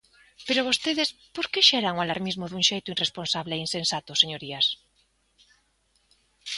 Pero vostedes ¿por que xeran o alarmismo dun xeito irresponsable e insensato, señorías?